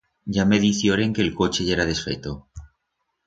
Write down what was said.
Ya me dicioren que el coche yera desfeto.